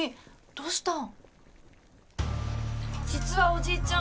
どうしたん？